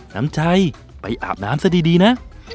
น้ำใจไปอาบน้ำซะดีนะ